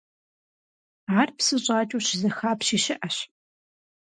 Ар псы щӀакӀэу щызэхапщи щыӀэщ.